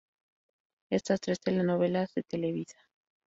Estas tres telenovelas de Televisa.